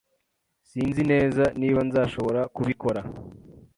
Sinzi neza niba nzashobora kubikora.